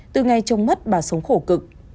từ ngày chồng mất bà sống khổ cực